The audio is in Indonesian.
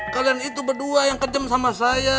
kalian itu berdua yang kejem sama saya